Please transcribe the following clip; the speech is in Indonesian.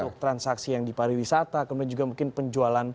untuk transaksi yang di pariwisata kemudian juga mungkin penjualan